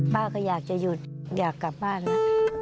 ป้าก็อยากจะหยุดอยากกลับบ้านนะ